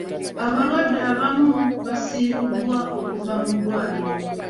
Abalwadde abamu baasiibuddwa okuva mu ddwaliro.